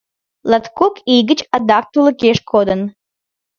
Латкок ий гыч адак тулыкеш кодын.